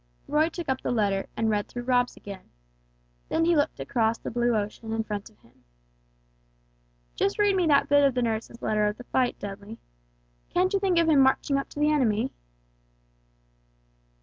Roy took up the letter, and read through Rob's again. Then he looked across the blue ocean in front of him. "Just read me that bit of the nurse's letter of the fight, Dudley. Can't you think of him marching up to the enemy?"